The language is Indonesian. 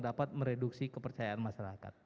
dapat mereduksi kepercayaan masyarakat